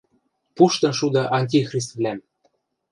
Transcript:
— Пуштын шуда антихриствлӓм!